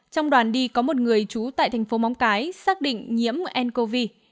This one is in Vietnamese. trong đoàn đi có một người trú tại tp móng cái xác định nhiễm ncov